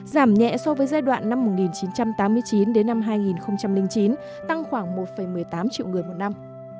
giảm nhẹ so với giai đoạn năm một nghìn chín trăm tám mươi chín đến năm hai nghìn chín tăng khoảng một một mươi tám triệu người một năm